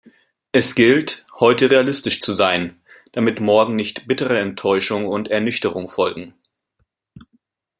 Es gilt, heute realistisch zu sein, damit morgen nicht bittere Enttäuschung und Ernüchterung folgen.